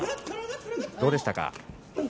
どうでしたか？